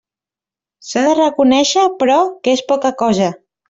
S'ha de reconéixer, però, que és poca cosa.